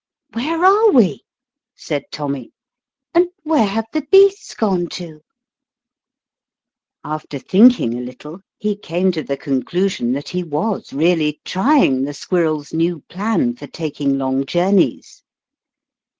(HERE are we?" said Tommy, "and where have the beasts gone to?" After thinking a little he came to the conclusion that he was really trying the squirrel's new plan for taking long jour neys.